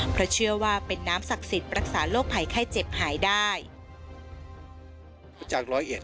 เพราะเชื่อว่าเป็นน้ำศักดิ์สิทธิ์รักษาโรคภัยไข้เจ็บหายได้